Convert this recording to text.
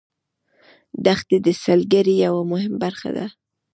دښتې د سیلګرۍ یوه مهمه برخه ده.